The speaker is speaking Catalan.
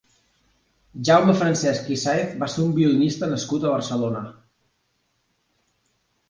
Jaume Francesch i Saènz va ser un violinista nascut a Barcelona.